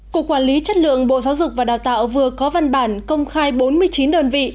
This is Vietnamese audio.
cục quản lý chất lượng bộ giáo dục và đào tạo vừa có văn bản công khai bốn mươi chín đơn vị